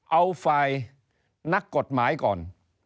เอาฝ่ายนักกฎหมายก่อน